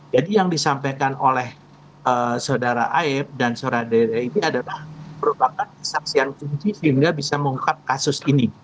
jadi yang disampaikan oleh saudara aeb dan saudara dede ini adalah merupakan kesaksian kunci sehingga bisa mengungkap kasus ini